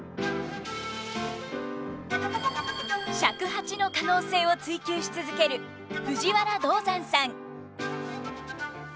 尺八の可能性を追求し続ける藤原道山さん。